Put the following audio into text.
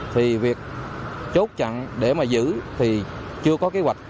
thì việc chốt chặn để mà giữ thì chưa có kế hoạch